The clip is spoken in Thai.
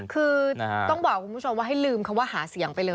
คือต้องบอกคุณผู้ชมว่าให้ลืมคำว่าหาเสียงไปเลย